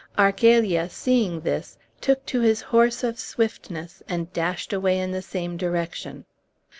Argalia, seeing this, took to his horse of swiftness, and dashed away in the same direction.